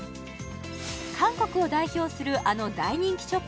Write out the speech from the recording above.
韓国を代表するあの大人気ショップ